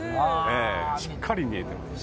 しっかり見えてますね。